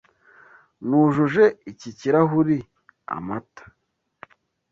Nujuje iki kirahuri amata.